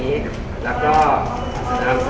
พวกมันจัดสินค้าที่๑๙นาที